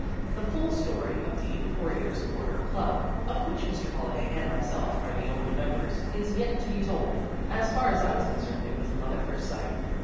The full story of the Porrier's Corner Club, of which Mr. Holliday and myself are the only members, is yet to be told. As far as I was concerned it was love at first sight.